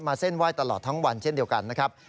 เส้นไหว้ตลอดทั้งวันเช่นเดียวกันนะครับ